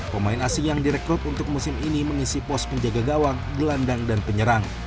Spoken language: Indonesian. pemain asing yang direkrut untuk musim ini mengisi pos penjaga gawang gelandang dan penyerang